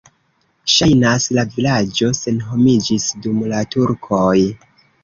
Ŝajnas, la vilaĝo senhomiĝis dum la turkoj.